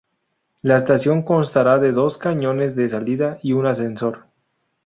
La estación constará de dos cañones de salida y un ascensor.